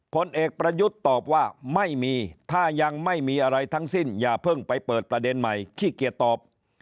ผลเอกประยุทธ์ตอบว่าไม่มีถ้ายังไม่มีอะไรทั้งสิ้นอย่าเพิ่งไปเปิดประเด็นใหม่ขี้เกียจตอบ